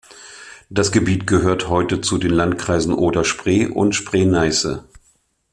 Das Gebiet gehört heute zu den Landkreisen Oder-Spree und Spree-Neiße.